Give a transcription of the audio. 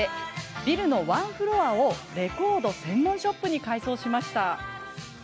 ビルのワンフロアをレコード専門ショップに改装しました。